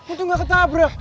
untung gak ketabrak